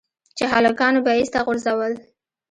چې هلکانو به ايسته غورځول.